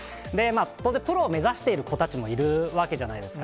当然、プロを目指している子たちもいるわけじゃないですか。